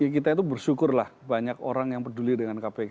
kita itu bersyukurlah banyak orang yang peduli dengan kpk